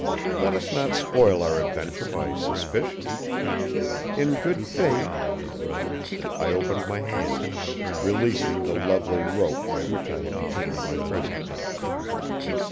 Let us not spoil our adventure by suspicion. In good faith " I opened my hand, releasing the lovely rope by which I had detained my prisoner.